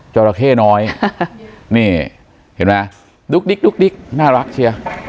จราเข้น้อยนี่เห็นไหมดุ๊กดิ๊กน่ารักเชียว